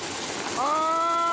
ああ！